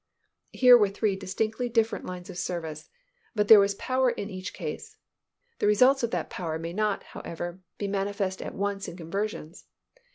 Here were three distinctly different lines of service, but there was power in each case. The results of that power may not, however, be manifest at once in conversions.